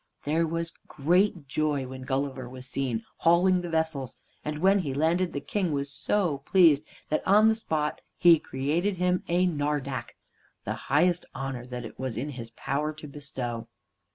There was great joy when Gulliver was seen hauling the vessels; and when he landed, the King was so pleased that on the spot he created him a Nardac, the highest honor that it was in his power to bestow.